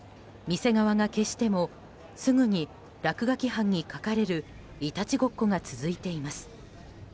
店側が消してもすぐに落書き犯に書かれるいたちごっこが続いています。